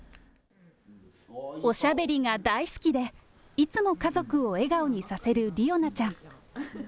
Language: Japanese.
おしゃべりが大好きで、いつも家族を笑顔にさせる理央奈ちゃん。